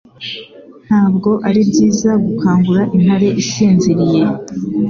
Ntabwo ari byiza gukangura intare isinziriye